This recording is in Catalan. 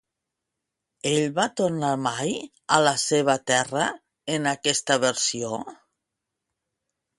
Ell va tornar mai a la seva terra, en aquesta versió?